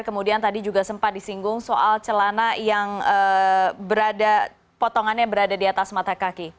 kemudian tadi juga sempat disinggung soal celana yang potongannya berada di atas mata kaki